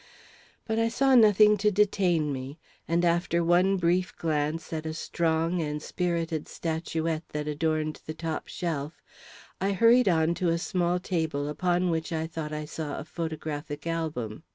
But I saw nothing to detain me, and after one brief glance at a strong and spirited statuette that adorned the top shelf, I hurried on to a small table upon which I thought I saw a photographic album.